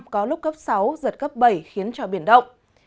có lúc cấp sáu giật cấp bảy khiến cho biển động